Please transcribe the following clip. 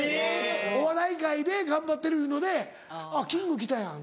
お笑い界で頑張ってるいうので「あっキング来たやん」